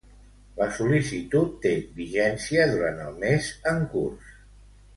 La sol·licitud té vigència durant el mes en curs.